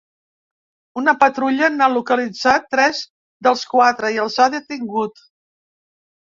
Una patrulla n'ha localitzat tres dels quatre i els ha detingut.